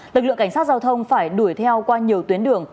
lực lượng cảnh sát giao thông phải đuổi theo qua nhiều tuyến đường